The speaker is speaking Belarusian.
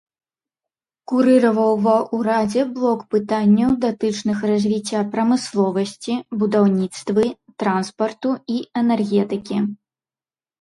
Курыраваў ва ўрадзе блок пытанняў, датычных развіцця прамысловасці, будаўніцтвы, транспарту і энергетыкі.